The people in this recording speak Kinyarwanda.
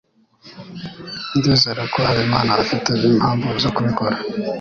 Ndizera ko Habimana afite impamvu zo kubikora.